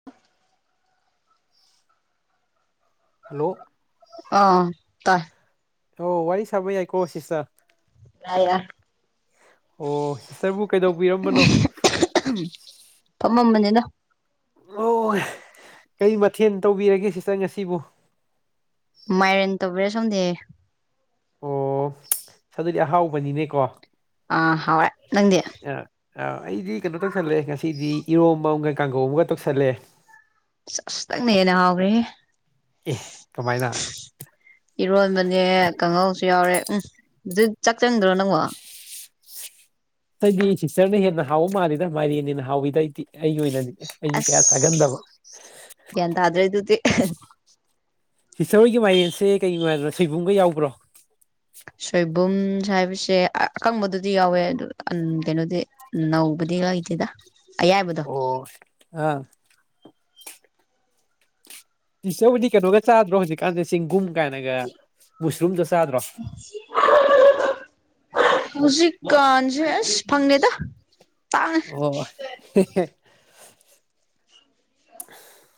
[unintelligible] Hello. ꯑ ꯇꯥꯏ꯫ ꯑꯣ ꯋꯥꯔꯤ ꯁꯥꯕ ꯌꯥꯏꯀꯣ ꯁꯤꯁꯇꯔ꯫ ꯌꯥꯏ ꯌꯥꯏ꯫ ꯑꯣ ꯁꯤꯁꯇꯔꯕꯨ ꯀꯩꯗꯧꯕꯤꯔꯝꯕꯅꯣ꯫ ꯐꯝꯃꯝꯕꯅꯤꯗ꯫ ꯑꯣ ꯀꯔꯤ ꯃꯊꯦꯜ ꯇꯧꯕꯤꯔꯒꯦ ꯁꯤꯁꯇꯔ ꯉꯁꯤꯕꯨ ꯃꯥꯏꯔꯦꯟ ꯇꯧꯕꯤꯔ ꯁꯣꯝꯗꯦ ꯑꯣ ꯑꯗꯨꯗꯤ ꯑꯍꯥꯎꯕꯅꯤꯅꯦꯀꯣ ꯑ ꯑꯥ ꯍꯥꯎꯔꯦ ꯅꯪꯗꯤ ꯑꯩꯗꯤ ꯀꯩꯅꯣ ꯇꯧꯁꯜꯂꯦ ꯉꯁꯤꯗꯤ ꯏꯔꯣꯝꯝꯕ ꯑꯃꯒ ꯀꯥꯡꯒꯧ ꯑꯃꯒ ꯇꯧꯁꯜꯂꯦ ꯆꯁ ꯇꯪꯅꯦꯦꯅꯦ ꯍꯎ꯭ꯔꯤ ꯑꯦ ꯀꯃꯥꯏꯅ ꯏꯔꯣꯟꯕꯅꯦ ꯀꯥꯡꯍꯧꯁꯨ ꯌꯥꯎꯔꯦ ꯎꯝ ꯑꯗꯨ ꯆꯥꯛ ꯆꯪꯗ꯭ꯔꯣ ꯅꯪꯉꯣ ꯑꯩꯗꯤ ꯁꯤꯁꯇꯔꯅ ꯍꯦꯟꯅ ꯍꯥꯎꯕ ꯃꯥꯜꯂꯤꯦꯗ ꯃꯥꯏꯔꯦꯟꯅꯤꯅ ꯍꯥꯎꯏꯤꯗ ꯑꯩꯗꯤ ꯑꯩꯒꯤ ꯑꯣꯏꯅꯗꯤ ꯑꯩꯒꯤ ꯀꯌꯥ ꯁꯥꯒꯟꯗꯕ ꯌꯦꯇꯗ꯭ꯔ ꯏ ꯑꯗꯨꯗꯤ ꯍꯤꯁꯇꯣꯔꯤꯒꯤꯥꯏꯔꯦꯟꯁꯦ ꯀꯩꯒꯤꯅꯣ ꯍꯥꯏꯗꯅꯣ ꯁꯣꯏꯕꯨꯝꯒ ꯌꯥꯎꯕ꯭ꯔꯣ ꯁꯣꯏꯕꯨꯝꯁ ꯍꯥꯏꯕꯁꯦ ꯑꯀꯪꯕꯗꯨꯗꯤ ꯌꯥꯎꯋꯦ ꯑꯗꯨ ꯀꯩꯅꯣꯗꯤ ꯎ ꯅꯧꯕꯗꯤꯂ ꯍꯥꯏꯇꯗ ꯑꯣ ꯑ ꯏꯁꯤꯁꯕꯨꯗꯤ ꯀꯩꯅꯣꯒ ꯆꯥꯗ꯭ꯔꯣ ꯍꯧꯖꯤꯛꯀꯥꯟꯗ ꯆꯦꯡꯒꯨꯝ ꯀꯥꯏꯅꯒ ꯃꯨꯁꯔꯨꯝꯗꯣ ꯆꯥꯗ꯭ꯔꯣ ꯍꯧꯖꯤꯟꯖꯦ ꯐꯪꯉꯦꯗ ꯆꯥꯡ ꯍ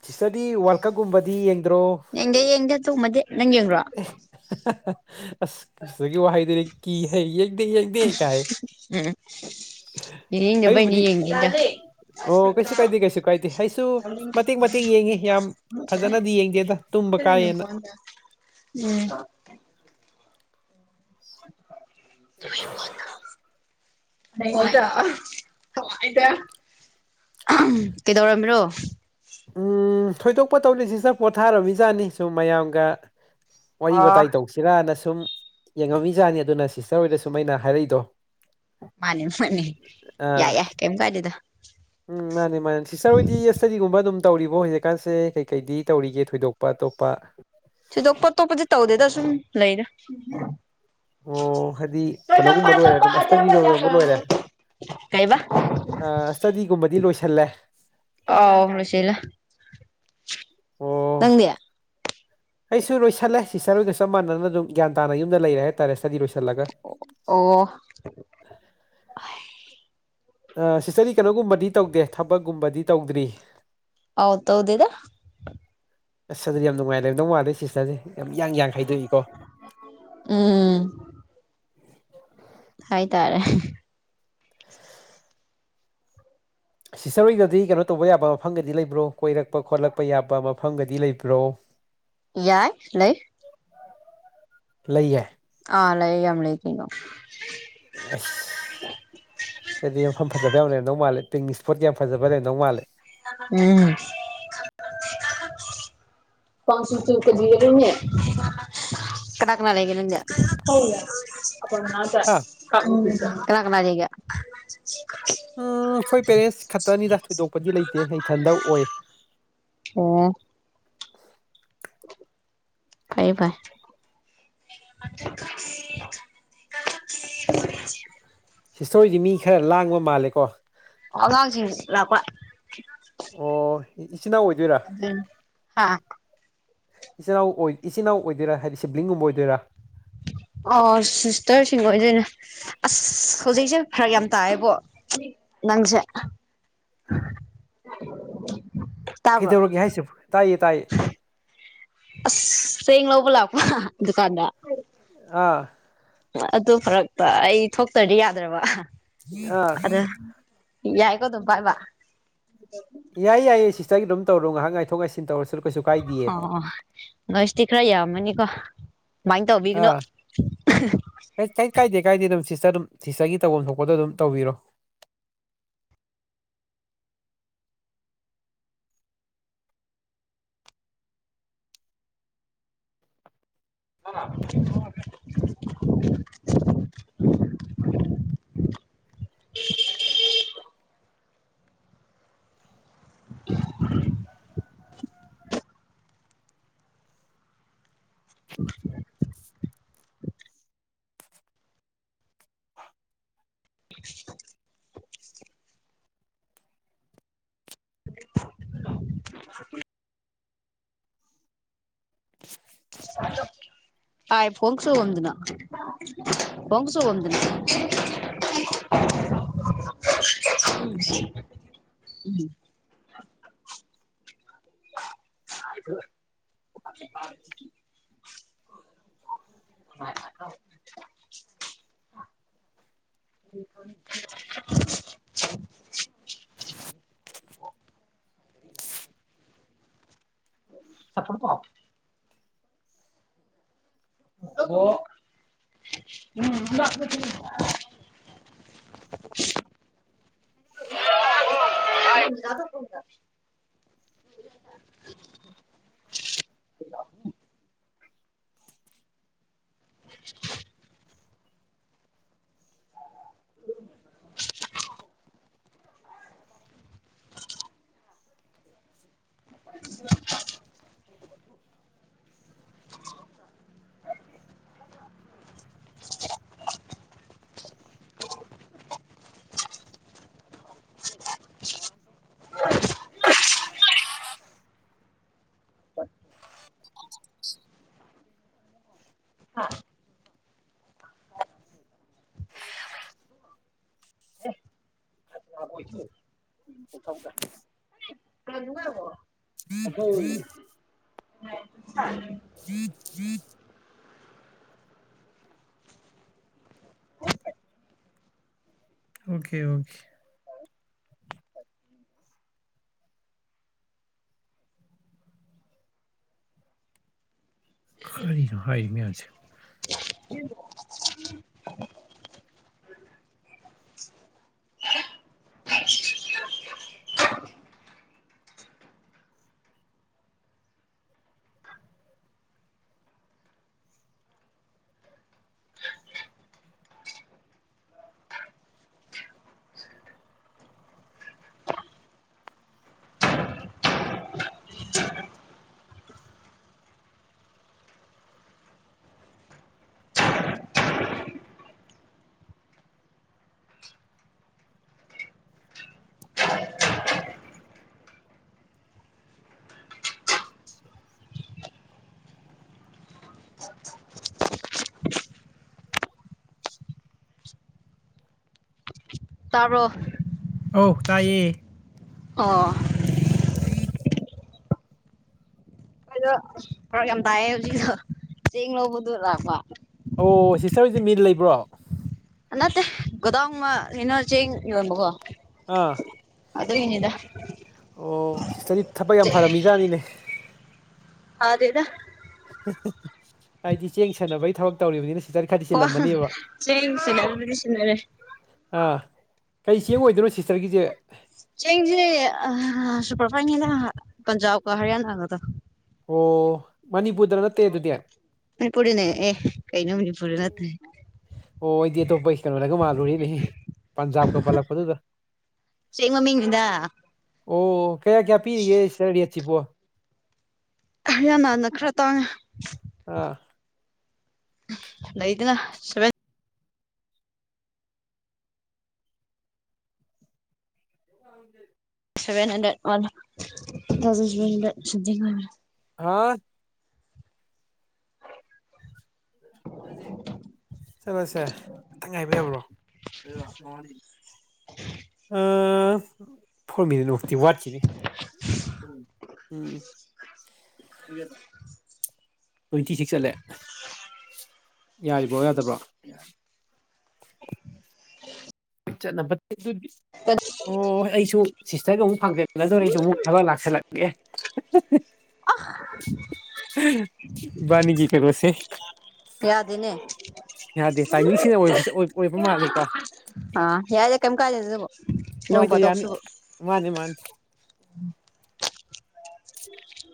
ꯁꯤꯆꯇꯔꯗꯤ ꯋꯥꯔꯜ ꯀꯞꯀꯨꯝꯕꯗꯤ ꯌꯦꯡꯗ꯭ꯔꯣ ꯌꯦꯡꯗ ꯌꯦꯡꯗꯦ ꯇꯨꯝꯃꯗꯤ ꯅꯪ ꯌꯦꯡꯨꯔꯣ [unintelligible] ꯑꯁ ꯀꯁꯒꯤ ꯋꯥꯍꯩꯗꯨꯔ ꯀꯤ ꯍꯩ ꯌꯦꯡꯗꯦ ꯌꯦꯡꯗꯦ ꯀꯥꯏ ꯍꯦ ꯎꯝ ꯏꯅꯦꯕꯩꯅꯤ ꯑꯩꯕꯨꯗꯤ ꯌꯦꯡꯗ ꯑꯣ ꯀꯩꯁꯨ ꯀꯥꯏꯗꯦ ꯀꯩꯁꯨ ꯀꯥꯏꯗꯦ ꯑꯩꯁꯨ ꯃꯇꯦꯛ ꯃꯇꯦꯛ ꯌꯦꯡꯉꯤ ꯌꯥꯝ ꯐꯖꯅꯗꯤ ꯌꯦꯡꯗꯦꯗ ꯇꯨꯝꯕ ꯐꯄꯗ ꯀꯥꯏꯌꯦꯅ ꯎꯝ [unintelligible] ꯗꯗ ꯀꯩꯗꯧꯔꯝꯃꯤꯔꯣ ꯎꯝ ꯊꯣꯏꯗꯣꯛꯄ ꯇꯧꯅꯤꯁꯤꯁ ꯄꯣꯊꯥꯔꯃꯤꯖꯥꯠꯅꯤ ꯁꯨꯝ ꯃꯌꯥꯝꯒ ꯋꯥꯔꯤ ꯑꯣ ꯋꯥꯋꯇꯥꯏ ꯇꯧꯁꯤꯔꯅ ꯁꯨꯝ ꯌꯦꯡꯉꯝꯃꯤꯖꯥꯠꯅꯤ ꯑꯗꯨꯅ ꯁꯤꯁꯇꯔ ꯍꯣꯏꯗ ꯁꯨꯝ ꯑꯩꯅ ꯍꯥꯏꯔꯛꯏꯗꯣ ꯃꯥꯅꯦ ꯃꯅꯤ ꯌꯥꯏ ꯑꯥ ꯌꯥꯏ ꯀꯔꯤꯝ ꯀꯥꯏꯗꯗ ꯎꯝ ꯃꯥꯅꯦ ꯃꯥꯅꯦ ꯁꯤꯁꯇꯔꯣꯏꯗꯤ ꯑꯦ ꯏꯁꯇꯗꯤꯒꯨꯝꯕ ꯑꯗꯨꯝ ꯇꯧꯔꯤꯕꯣ ꯍꯧꯖꯤꯛꯀꯥꯟꯁꯦ ꯀꯩꯀꯩꯗꯤ ꯇꯧꯔꯤꯒꯦ ꯊꯣꯏꯗꯣꯛꯄ ꯑꯇꯣꯞꯄ ꯊꯣꯏꯗꯣꯛꯄꯣꯇꯣꯞꯄꯗꯤ ꯇꯧꯗꯦꯗ ꯁꯨꯝ ꯂꯩꯔ ꯑꯣ ꯍꯥꯏꯗꯤ ꯀꯩꯅꯣꯒꯨꯝꯕ ꯂꯣꯏꯔꯦ ꯑꯗꯨꯝ ꯑꯁꯇꯗꯤꯗ ꯂꯣꯏꯔꯦ ꯀꯩꯕ ꯁ꯭ꯇꯗꯤꯒꯨꯝꯕꯗꯤ ꯂꯣꯏꯁꯜꯂꯦ ꯑꯣ ꯁꯤꯂ ꯑꯣ ꯅꯪꯗꯦ ꯑꯩꯁꯨ ꯂꯣꯏꯁꯤꯜꯂꯦ ꯁꯤꯤꯁꯆꯔꯒ ꯆꯞ ꯃꯅ ꯑꯗꯨꯝ ꯒ꯭ꯌꯥꯟ ꯇꯥ ꯌꯗ ꯂꯩꯔꯦ ꯍꯥꯏꯇꯥꯔꯦ ꯁ꯭ꯇꯗꯤ ꯂꯣꯏꯁꯤꯜꯂꯒ ꯑꯣ ꯑꯥ ꯁꯤꯁꯇꯔꯗꯤ ꯀꯩꯅꯣꯒꯨꯝꯕꯗꯤ ꯇꯧꯗꯦ ꯊꯕꯛꯀꯨꯝꯕꯗꯤ ꯇꯧꯗ꯭ꯔꯤ ꯑꯥꯎ ꯇꯧꯗꯦꯗ ꯑꯁ ꯑꯗꯨꯗꯤ ꯌꯥꯝ ꯅꯨꯡꯉꯥꯏꯅ ꯂꯩꯔꯝꯗꯧ ꯃꯥꯜꯂꯤ ꯁꯤꯁꯇꯔꯖꯦ ꯌꯥꯝ ꯏꯌꯥꯡ ꯌꯥꯡ ꯍꯥꯏꯗꯣꯛꯏꯀꯣ ꯎꯝ ꯍꯥꯏꯇꯥꯔꯦ ꯁꯤꯁꯇꯔ ꯍꯣꯏꯒꯗꯤ ꯀꯩꯅꯣ ꯇꯧꯕ ꯌꯥꯕ ꯃꯐꯝꯒꯗꯤ ꯂꯩꯕ꯭ꯔꯣ ꯀꯣꯏꯔꯛꯄ ꯈꯣꯠꯂꯛꯄ ꯌꯥꯕ ꯃꯐꯝꯒꯗꯤ ꯂꯩꯕ꯭ꯔꯣ [inaudible] ꯌꯥꯏ ꯂꯩ ꯂꯩꯌꯦ ꯑꯥ ꯂꯩ ꯌꯥꯝ ꯂꯩ ꯀꯩꯅꯣ ꯑꯩꯁ ꯁꯤꯗꯗꯤ ꯃꯐꯝ ꯐꯖꯕ ꯌꯥꯝ ꯂꯩꯔꯝꯗꯧ ꯃꯥꯜꯂꯤ ꯄꯤꯛꯅꯤꯛ ꯏꯁꯄꯣꯠꯀ ꯌꯥꯝ ꯐꯖꯕ ꯂꯩꯔꯝꯗꯧ ꯃꯥꯜꯂꯦ ꯎꯝ [unintelligible] ꯀꯅꯥ ꯀꯅꯥ ꯂꯩꯒꯦ ꯅꯪꯗꯤ [unintelligible] ꯍꯥ [unintelligible] ꯀꯅꯥꯥ ꯀꯅꯥ ꯂꯩꯒꯦ ꯎꯝ ꯑꯩꯈꯣꯏ ꯄꯦꯔꯦꯟꯁ ꯈꯛꯇꯅꯤꯗ ꯊꯣꯏꯗꯣꯛꯄꯗꯤ ꯂꯩꯇꯦ ꯏꯊꯟꯗ ꯑꯣꯏ ꯑꯣ ꯐꯩꯌꯦ ꯐꯩ ꯁꯤꯁꯇꯔꯍꯣꯏꯗꯤ ꯃꯤ ꯈꯔ ꯂꯥꯡꯕ ꯃꯥꯜꯂꯦꯀꯣ ꯑꯉꯥꯡꯁꯤꯡ ꯂꯥꯛꯄ ꯑꯣ ꯏ ꯏꯆꯤꯟꯅꯥꯎ ꯑꯣꯏꯗꯣꯏꯔꯥ ꯗꯨꯅꯤ ꯍꯥ ꯏꯆꯤꯟꯅꯥꯎ ꯑꯣꯏ ꯏꯆꯤꯟꯅꯥꯎ ꯑꯣꯏꯗꯣꯏꯔꯥ ꯍꯥꯏꯗꯤ ꯁꯤꯕ꯭ꯂꯤꯡꯒꯨꯝꯕ ꯑꯣꯏꯗꯣꯏꯔꯥ ꯑꯣ ꯁꯤꯁꯇꯔꯁꯤꯡ ꯑꯣꯏꯗꯣꯏꯅꯦ ꯑꯁ ꯍꯧꯖꯤꯛꯁꯦ ꯐꯔꯛ ꯌꯥꯝ ꯇꯥꯏꯌꯦꯕꯣ ꯅꯪꯁꯦ [unintelligible] ꯇꯥꯕ꯭ꯔꯣ ꯀꯗꯧꯔꯒ ꯍꯥꯏꯁꯦ ꯇꯥꯏꯌꯦ ꯇꯥꯏꯌꯦ ꯑꯁ ꯆꯦꯡ ꯂꯧꯕ ꯂꯥꯛꯄ ꯗꯨꯀꯥꯟꯗ ꯑꯥ ꯑꯗꯨ ꯐꯔꯛꯇ ꯑꯩ ꯊꯣꯛꯇ꯭ꯔꯗꯤ ꯌꯥꯗ꯭ꯔꯕ ꯑꯍꯥ ꯑꯥ ꯑꯗ ꯌꯥꯏꯀꯣ ꯑꯗꯨꯝ ꯄꯥꯏꯕ ꯌꯥꯏꯌꯦ ꯌꯥꯏꯌꯦ ꯁꯤꯁꯇꯔꯒꯤ ꯗꯨꯝ ꯇꯧꯔꯣ ꯉꯥꯍꯥꯛ ꯉꯥꯏꯊꯣꯛ ꯉꯥꯏ ꯁꯤꯟ ꯇꯧꯔꯁꯅꯨ ꯀꯩꯁꯨ ꯀꯥꯏ ꯑꯣ ꯅꯣꯏꯁꯇꯤ ꯈꯔ ꯌꯥꯝꯃꯅꯤꯀꯣ ꯀꯃꯥꯏꯅ ꯇꯧꯕꯤꯒꯅꯣ ꯑꯥ ꯀꯩ ꯀꯥꯏꯗꯦ ꯀꯥꯏꯗꯦ ꯑꯗꯨꯝ ꯁꯤꯁꯇꯔ ꯑꯗꯨꯝ ꯁꯤꯁꯇꯔꯒꯤ ꯇꯧꯐꯝ ꯊꯣꯛꯄꯗꯣ ꯑꯗꯨꯝ ꯇꯧꯕꯤꯔꯣ [unintelligible] [unintelligible] [unintelligible] [unintelligible] [unintelligible] [unintelligible] [unintelligible] [unintelligible] [unintelligible] [unintelligible] [unintelligible] [unintelligible] [unintelligible] [inaudible] [inaudible] [inaudible] [inaudible] [inaudible] [inaudible] [inaudible] [inaudible] ꯑꯥ inaudible ꯍꯥ not clear ꯑꯗꯣꯏ ꯖꯤꯞ ꯖꯤꯞ ꯑꯣꯀꯦ ꯑꯣꯀꯦ ꯀꯔꯤꯅꯣ ꯍꯥꯏꯔꯤ ꯃꯌꯥꯝꯁꯦ inaudible inaudible ꯇꯥꯕꯔꯣ ꯑꯧ ꯇꯥꯏꯌꯦ ꯑꯣ ꯖꯤꯞ ꯖꯤꯞ ꯑꯩꯈꯣꯏꯗꯣ ꯐꯔꯛ ꯌꯥꯝ ꯇꯥꯏꯌꯦ ꯍꯧꯖꯤꯛꯁꯨ ꯆꯦꯡ ꯂꯧꯕꯗꯣ ꯂꯥꯛꯄ ꯑꯣ ꯁꯤꯁꯇꯔꯁꯦ ꯃꯤꯟ ꯂꯩꯕ꯭ꯔꯣ ꯅꯠꯇꯦ ꯒꯣꯗꯥꯌꯟ ꯑ ꯀꯩꯅꯣ ꯆꯦꯡ ꯌꯣꯟꯕꯥꯗꯣ ꯑꯥ ꯑꯗꯨꯏ ꯅꯤꯗꯥ ꯑꯣ ꯁꯤꯁꯇꯔꯗꯤ ꯊꯕꯛ ꯌꯥꯝ ꯐꯔꯝꯃꯤ ꯏꯖꯥꯠꯅꯤꯅꯦ ꯐꯥꯗꯦꯗ ꯁꯤꯁ ꯁꯤꯁ ꯍꯥꯏꯗꯤ ꯆꯦꯡ ꯁꯥꯟꯅꯕꯒꯤ ꯊꯕꯛ ꯇꯧꯔꯤꯕꯅꯤꯅ ꯁꯤꯁꯇꯔ ꯈꯔꯗꯤ ꯍꯣ ꯆꯤꯜꯂꯝꯃꯅꯦꯕ ꯆꯦꯡ ꯁꯤꯟꯅꯕꯕꯨꯗꯤ ꯁꯤꯟꯅꯔꯦ ꯑꯥ ꯀꯩ ꯆꯦꯡ ꯑꯣꯏꯗꯣꯏꯅꯣ ꯁꯤꯁꯇꯔꯒꯤꯁꯦ ꯆꯦꯡꯁꯦ ꯑꯥ ꯁꯨꯄꯔꯐꯥꯏꯟ ꯅꯦꯅ ꯄꯟꯖꯥꯕ ꯀ ꯍꯔꯌꯥꯅꯥ ꯒꯥꯗꯣ ꯑꯣ ꯃꯅꯤꯄꯨꯔꯗ ꯅꯠꯇꯦ ꯑꯗꯨꯗꯤ ꯃꯅꯤꯄꯨꯔ ꯗꯅꯦ ꯑꯦ ꯀꯩꯅꯣ ꯃꯅꯤꯄꯨꯔꯗ ꯅꯠꯇꯦ ꯑꯣ ꯑꯩꯗꯤ ꯑꯇꯣꯞꯄ ꯀꯩꯅꯣꯗꯒ ꯃꯥꯜꯂꯨꯔꯦꯅꯦ ꯄꯟꯖꯥꯕꯀ ꯄꯜꯂꯛꯄꯗꯨꯗ ꯆꯦꯡ ꯃꯃꯤꯡꯅꯤꯗ ꯑꯣ ꯀꯌꯥ ꯀꯌꯥ ꯄꯤꯔꯤꯒꯦ ꯁꯤꯁꯇꯔ ꯔꯦꯠ ꯁꯕꯨ ꯍꯌꯥꯅꯅ ꯈꯔ ꯇꯥꯡꯉꯦ ꯑꯥ ꯅꯩꯗꯅꯁꯦ seven hundred one, two thousand seven hundred something ꯍꯥꯏꯕꯅꯤ ꯍꯥ ꯆꯠꯂꯁꯦ ꯫ ꯆꯠꯂꯁꯦ ꯉꯥꯛꯇꯪ ꯉꯥꯏꯕ ꯌꯥꯕ꯭ꯔꯣ ꯑꯥ... ꯐꯣꯔꯃꯤ ꯂꯣꯛꯇꯤ ꯋꯥꯠꯈꯤꯅꯤ ꯎꯝ ꯀꯥꯌꯥ ꯗ ꯇ꯭ꯋꯦꯟꯇꯤ ꯁꯤꯛꯁ ꯆꯠꯂꯦ ꯌꯥꯔꯤꯕ꯭ꯔꯣ ꯌꯥꯗꯕ꯭ꯔꯣ ꯆꯠꯅꯕꯗꯨꯗꯤ ꯑꯣꯏꯕꯅꯦ ꯑꯣ ꯑꯩꯁꯨ ꯁꯤꯁꯇꯔꯒ ꯑꯃꯨꯛ ꯐꯪꯖꯟꯅꯗꯧꯣꯔꯦ ꯑꯩꯁꯨ ꯑꯃꯨꯛ ꯊꯕꯛ ꯂꯥꯛꯁꯤꯜꯂꯛꯑ ꯑꯍ ꯑꯦ ꯏꯕꯥꯅꯤꯒꯤ ꯀꯩꯅꯣ ꯁꯦ ꯌꯥꯗꯦ ꯅꯦ ꯌꯥꯗꯦ ꯇꯥꯏꯃꯤꯡ ꯁꯤꯅ ꯑꯣꯏꯕ ꯑꯣꯏꯕ ꯃꯥꯜꯂꯤ ꯀꯣ ꯑꯥ ꯌꯥꯏꯔꯦ ꯀꯩꯝ ꯀꯥꯏꯗꯦꯗꯥ ꯑꯗꯨꯕꯨ ꯅꯣꯡ ꯐꯥꯗꯣꯛꯁꯤꯕꯨ ꯃꯥꯅꯦ ꯃꯥꯅꯤ ꯎꯝ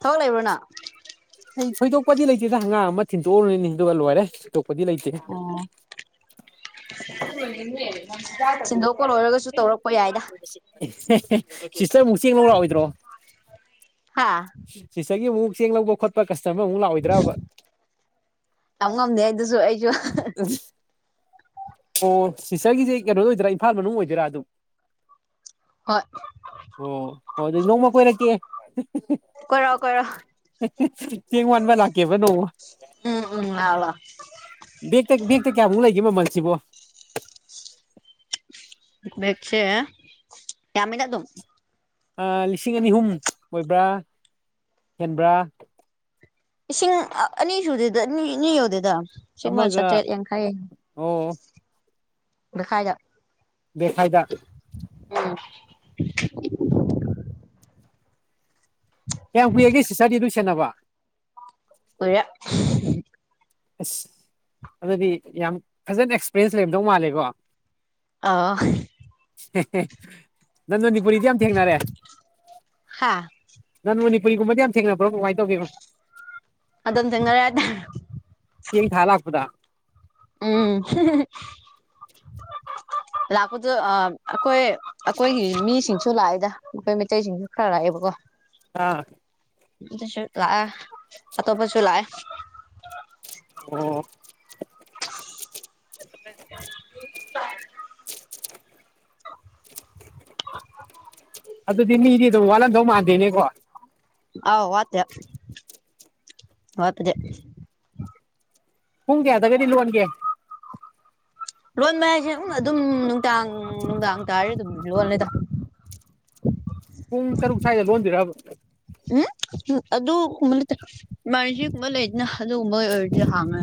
ꯊꯕꯛ ꯂꯩꯕ꯭ꯔꯣ ꯅꯪ ꯑꯩ ꯊꯣꯏꯗꯣꯛꯄꯗꯤ ꯂꯩꯇꯦꯗ ꯑꯉꯥꯡ ꯑꯃ ꯊꯤꯟꯇꯣꯛꯎꯔꯅꯤ ꯑꯗꯨꯒ ꯂꯣꯏꯔꯦ ꯊꯣꯏꯗꯣꯛꯄꯗꯤ ꯂꯩꯇꯦ ꯊꯣꯟꯗꯣꯛꯄ ꯂꯣꯏꯔꯒꯁꯨ ꯇꯧꯔꯛ ꯁꯤꯁꯇꯔ ꯑꯃꯨꯛ ꯆꯦꯡ ꯂꯧꯔꯥꯛꯑꯑꯣꯏꯗ꯭ꯔꯣ ꯍꯥꯥ ꯁꯤꯁꯒꯤ ꯃꯨꯛ ꯁꯦꯡ ꯂꯒꯕꯣ ꯈ ꯀꯁꯇꯃꯔ ꯑꯃꯨꯛ ꯂꯥꯛꯑꯣꯏꯗ꯭ꯔꯕ ꯇꯝ ꯉꯝꯗꯦ ꯑꯗꯨꯁꯨ ꯑꯩꯁꯨ ꯑꯣ ꯁꯤꯁꯇꯔꯒꯤꯁꯦ ꯀꯩꯅꯣꯗ ꯑꯣꯏꯗꯔꯥ ꯏꯝꯐꯥꯜ ꯃꯅꯨꯡ ꯑꯣꯏꯗꯣꯏꯔꯥ ꯑꯗꯨꯝ ꯍꯣꯏ ꯑꯣ ꯍꯣꯏ ꯑꯗꯨꯗꯤ ꯅꯣꯡꯃ ꯀꯣꯏꯔꯛꯀꯦ ꯀꯣꯏꯔꯛꯑꯣ ꯀꯣꯏꯔꯛꯑꯣ ꯆꯦꯡ ꯋꯥꯟꯕ ꯂꯥꯛꯀꯦꯕ ꯅꯣꯡ ꯎꯝ ꯎꯝ ꯍꯥꯂ ꯕꯦꯛꯇ ꯕꯦꯛꯇ ꯀꯌꯥꯃꯨꯛ ꯂꯩꯒꯦꯕꯣ ꯃꯜꯁꯤꯕꯣ ꯃꯦꯛꯁꯦ ꯀꯃꯤ ꯌꯥ ꯊ ꯂꯤꯁꯤꯡ ꯑꯅꯤ ꯑꯍꯨꯝ ꯑꯣꯏꯕ꯭ꯔꯥ ꯍꯦꯟꯕ꯭ꯔꯥ ꯏꯁꯤꯡ ꯑꯅꯤ ꯁꯨꯗꯦꯗ ꯑꯅꯤ ꯑꯅꯤ ꯌꯧꯗꯦꯗ ꯁꯤꯃ ꯑꯃꯒ ꯆꯥꯇ꯭ꯔꯦꯠ ꯌꯥꯡꯈꯩ ꯑꯣ ꯂꯩꯈꯥꯏꯗ ꯕꯦꯛ ꯈꯥꯏꯗ ꯎꯝ ꯀꯌꯥꯝ ꯀꯨꯏꯔꯒꯦ ꯁꯤꯇꯔꯗꯤ ꯑꯗꯨꯝ ꯁꯦꯟꯅꯕ ꯑꯣꯏꯔ ꯑꯁ ꯑꯗꯨꯗꯤ ꯌꯥꯝ ꯐꯖꯅ ꯑꯦꯛꯁꯄꯔꯦꯟꯁ ꯂꯩꯕꯗꯧ ꯃꯥꯜꯂꯦꯀꯣ ꯑ ꯅꯟ ꯃꯅꯤꯄꯨꯔꯤꯗꯤ ꯌꯥꯝ ꯊꯦꯡꯅꯔꯦ ꯍꯥ ꯅꯟ ꯃꯅꯤꯄꯨꯒꯨꯝꯕꯗꯤ ꯌꯥꯝ ꯊꯦꯡꯅꯕ꯭ꯔꯣ ꯀꯃꯥꯏꯅ ꯇꯧꯒꯅꯣ ꯑꯗꯟ ꯊꯉꯔꯦꯗ ꯇꯝ ꯊ ꯍꯥꯜ ꯂꯥꯛꯄꯗ ꯎꯝ [inaudible] ꯂꯥꯛꯄꯗꯣ ꯑ ꯑꯩꯈꯣꯏ ꯑꯩꯈꯣꯏꯒꯤ ꯃꯤꯁꯤꯡꯁꯨ ꯂꯥꯛꯑꯦꯗ ꯑꯩꯈꯣꯏ ꯃꯩꯇꯩꯁꯤꯡꯁꯨ ꯈꯔ ꯂꯥꯛꯑꯦꯕꯀꯣ ꯑꯥ ꯑꯗꯨꯁꯨ ꯂꯥꯛꯑꯦ ꯑꯇꯣꯞꯄꯁꯨ ꯂꯥꯛꯑꯦ ꯑꯣ [inaudible] ꯑꯗꯨꯗꯤꯅꯤ ꯏ ꯑꯗꯨ ꯋꯥꯂꯟꯗꯧ ꯃꯥꯗꯦꯅꯦ ꯀꯣ ꯑꯥꯎ ꯋꯥꯇꯦ ꯋꯥꯠꯇꯗꯦ ꯍꯨꯡꯦꯗꯒꯗꯤ ꯂꯣꯟꯒꯦ ꯂꯣꯟꯕ ꯍꯥꯏꯁꯦ ꯑꯗꯨꯝ ꯅꯨꯡꯗꯥꯡ ꯅꯨꯡꯗꯥꯡ ꯇꯥꯔꯦ ꯑꯗꯨꯝ ꯂꯣꯂꯦꯗ ꯄꯨꯡ ꯇꯔꯛ ꯁꯥꯏꯗꯒ ꯂꯗꯔ ꯎꯝ ꯑꯗꯨ ꯑꯗꯨ ꯅꯠ ꯇꯦ ꯃꯅꯤꯁꯤ ꯀ ꯃꯗꯅ ꯑꯗꯨ ꯑꯣꯏꯗ ꯍꯥꯡ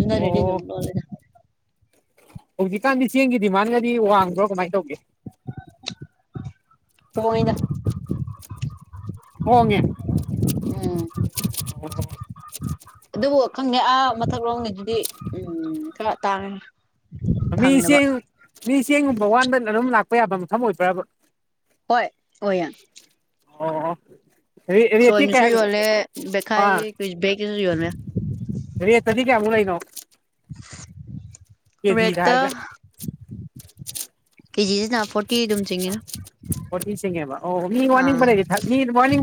ꯏ ꯑꯣ ꯔꯦꯗꯤꯗ ꯍꯧꯖꯤꯛꯀꯥꯟꯗꯤ ꯆꯦꯡꯒꯤ ꯗꯤꯃꯥꯟꯒꯗꯤ ꯋꯥꯡꯗ꯭ꯔꯣ ꯀꯃꯥꯏꯅ ꯇꯧꯒꯦ ꯍꯣꯏꯅ ꯍꯣꯡꯉꯦ ꯎꯝ ꯑꯗꯨꯕꯨ ꯈꯪꯉꯦ ꯑꯥ ꯃꯊꯛ ꯂꯣꯒꯤ ꯑꯗꯨꯗꯤ ꯎꯝ ꯈꯔ ꯇꯥꯡꯉꯦ ꯃꯤ ꯐꯪꯗꯕ ꯆꯦꯡ ꯃꯤ ꯆꯦꯡꯒꯨꯝꯕ ꯋꯥꯟꯕ ꯑꯗꯨꯝ ꯂꯥꯛꯄ ꯌꯥꯕ ꯃꯐꯝ ꯑꯣꯏꯕ꯭ꯔꯕ ꯍꯣꯏ ꯑꯣꯏ ꯌꯥ ꯑꯣ ꯔꯦꯠꯇꯤ ꯁꯣꯏꯅꯨꯁꯨ ꯀꯌꯥ ꯌꯣꯜꯂꯦ ꯕꯦꯈꯥꯏ ꯕꯦꯛꯀꯤꯁꯨ ꯌꯣꯜꯃꯦ ꯁꯔꯤꯌꯦꯠꯇꯗꯤ ꯀꯌꯥ ꯑꯃꯨꯛ ꯂꯩꯅꯣ ꯀꯦꯖꯤꯗ ꯔꯦꯠꯇ ꯍꯥꯏꯔꯒ ꯀꯦꯖꯤꯁꯤꯅ ꯐꯣꯔꯇꯤ ꯑꯗꯨꯝ ꯆꯤꯡꯉꯦꯅ ꯑꯣꯠꯦꯡꯦꯕ ꯑꯣ ꯃꯔꯅꯤꯡꯕꯔꯒ ꯃꯔꯅꯤꯡ